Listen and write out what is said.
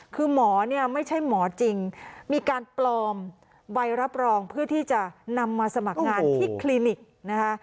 คือหมอเนี่ยไม่ใช่หมอจริงมีการปลอมใบรับรองเพื่อที่จะนำมาสมัครงานที่คลินิกนะคะ